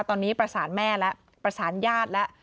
ตอนนี้ประสานแม่แล้วประสานญาติแล้ว